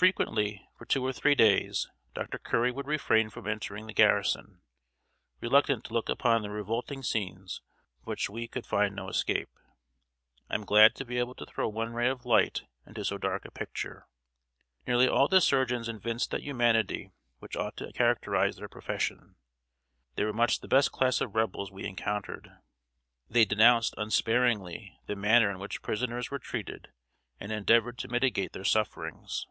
] Frequently, for two or three days, Dr. Currey would refrain from entering the garrison, reluctant to look upon the revolting scenes from which we could find no escape. I am glad to be able to throw one ray of light into so dark a picture. Nearly all the surgeons evinced that humanity which ought to characterize their profession. They were much the best class of Rebels we encountered. They denounced unsparingly the manner in which prisoners were treated, and endeavored to mitigate their sufferings.